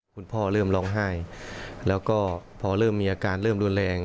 คุณพ่อเริ่มร้องไห้แล้วก็พอเริ่มมีอาการเริ่มรุนแรง